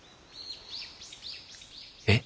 えっ？